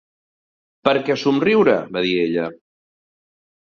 "Per què somriure?", va dir ella.